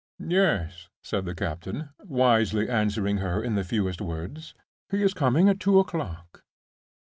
"Yes," said the captain, wisely answering her in the fewest words. "He is coming at two o'clock."